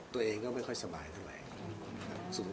ตัวเองก็ไม่ค่อยสบายเท่าไหร่ครับ